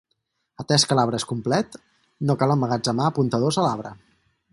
Atès que l'arbre és complet, no cal emmagatzemar apuntadors a l'arbre.